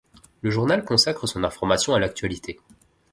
Le journal consacre son information à l'actualité.